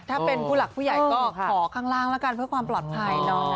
ถ้าเป็นผู้หลักผู้ใหญ่ก็ขอข้างล่างแล้วกันเพื่อความปลอดภัยเนาะ